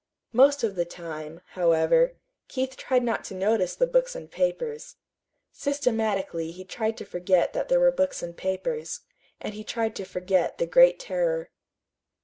Most of the time, however, Keith tried not to notice the books and papers. Systematically he tried to forget that there were books and papers and he tried to forget the Great Terror.